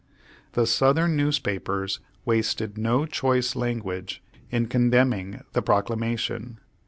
The Southern newspapers wasted no choice language in condemning the Proclamation.